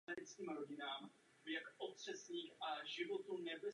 Modelingu se začala věnovat ve svých devatenácti letech.